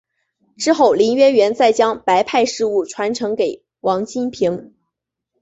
之后林渊源再将白派事务传承给王金平。